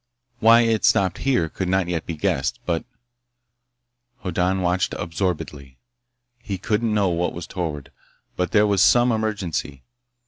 Why it stopped here could not yet be guessed, but— Hoddan watched absorbedly. He couldn't know what was toward, but there was some emergency.